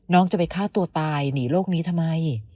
จะไปฆ่าตัวตายหนีโรคนี้ทำไม